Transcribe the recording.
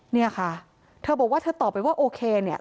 เนี่ยค่ะเธอบอกว่าเธอตอบไปว่าโอเคเนี่ย